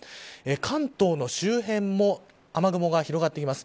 関東の周辺も雨雲が広がってきます。